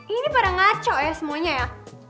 ini pada ngaco ya semuanya ya